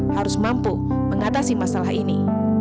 harus mampu mengatasi masalah ini